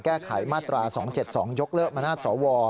แก้ไขมาตรา๒๗๒ยกเลิกมนาศสว